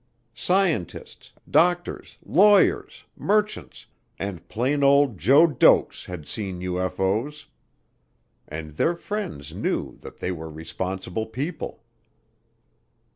Scientists, doctors, lawyers, merchants, and plain old Joe Doakes had seen UFO's, and their friends knew that they were responsible people.